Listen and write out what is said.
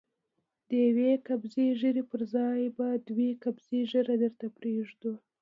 د يوې قبضې ږيرې پر ځای به دوې قبضې ږيره درته پرېږدو.